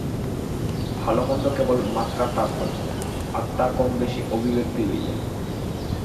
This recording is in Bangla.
ভাল-মন্দ কেবল মাত্রার তারতম্য, আত্মার কম-বেশী অভিব্যক্তি লইয়া।